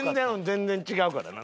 全然違うからな。